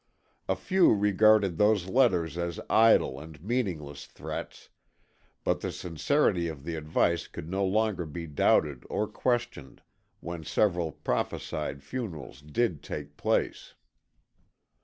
A few regarded those letters as idle and meaningless threats, but the sincerity of the advice could no longer be doubted or questioned when several prophesied funerals did take place.